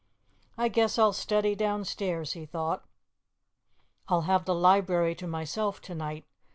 "I guess I'll study downstairs," he thought. "I'll have the library to myself to night.